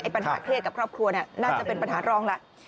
ปัญหาเครียดกับครอบครัวน่าจะเป็นปัญหารองแหละ